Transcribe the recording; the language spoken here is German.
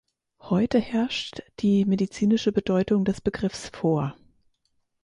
Heute herrscht die medizinische Bedeutung des Begriffs vor.